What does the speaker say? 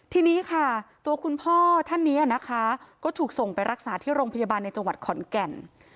ทีนี้ค่ะตัวคุณพ่อท่านนี้นะคะก็ถูกส่งไปรักษาที่โรงพยาบาลในจังหวัดขอนแก่น